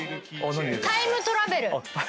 タイムトラベル。